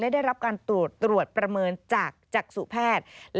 ได้รับการตรวจประเมินจากจักษุแพทย์